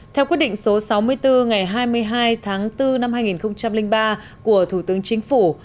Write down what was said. theo quyết định số sáu mươi bốn ngày hai mươi hai tháng bốn năm hai nghìn ba của thủ tướng chính phủ